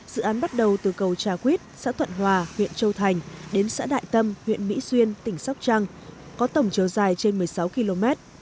dự án bắt đầu từ cầu trà quyết xã thuận hòa huyện châu thành đến xã đại tâm huyện mỹ xuyên tỉnh sóc trăng có tổng chiều dài trên một mươi sáu km